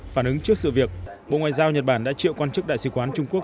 phản ứng trước sự việc bộ ngoại giao nhật bản đã triệu quan chức đại sứ quán trung quốc